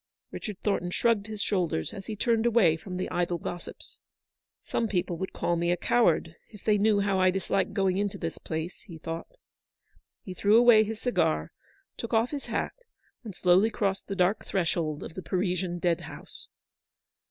Richard Thornton shrugged his shoulders as he turned away from the idle gossips. THE BLACK BUILDING BY THE RTVER. 129 " Some people would call me a coward if they knew how I dislike going into this place/' he thought. He threw away his cigar, took off his hat, and slowly crossed the dark threshold of the Parisian dead house.